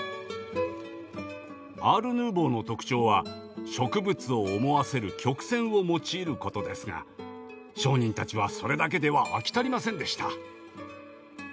アール・ヌーボーの特徴は植物を思わせる曲線を用いることですが商人たちはそれだけでは飽き足りませんでした。